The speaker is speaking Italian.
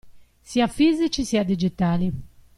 Sia fisici sia digitali.